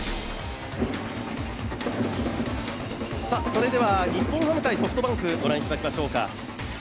それでは日本ハム×ソフトバンクご覧いただきましょう。